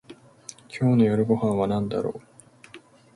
今日の夜ご飯はなんだろう